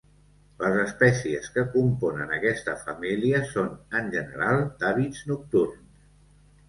Les espècies que componen aquesta família són en general d'hàbits nocturns.